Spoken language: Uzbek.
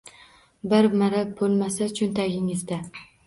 Bir miri bo’lmasa cho’ntagingizda